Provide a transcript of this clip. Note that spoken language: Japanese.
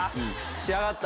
仕上がった？